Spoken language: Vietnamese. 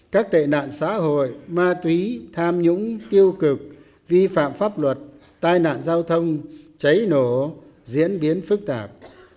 các tệ nạn xã hội ma túy tham nhũng tiêu cực vi phạm pháp luật tai nạn giao thông cháy nổ diễn biến phức tạp